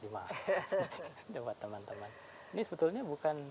ini sebetulnya bukan